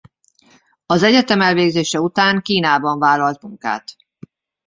Az egyetem elvégzése után Kínában vállalt munkát.